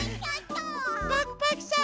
パクパクさん